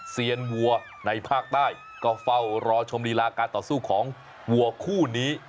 เซียนวัวในภาคใต้ก็เฝ้ารอชมรีลาการต่อสู้ของวัวคู่นี้